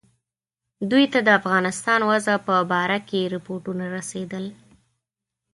دوی ته د افغانستان وضع په باره کې رپوټونه رسېدل.